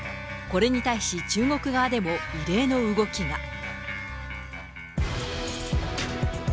これに対し、中国側でも異例の動きが。